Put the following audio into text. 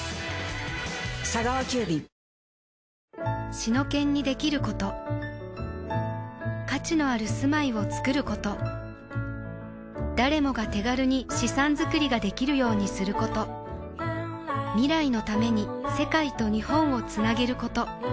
シノケンにできること価値のある住まいをつくること誰もが手軽に資産づくりができるようにすること未来のために世界と日本をつなげること